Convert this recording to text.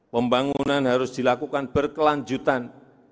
pembangunan harus dilakukan berkelanjutan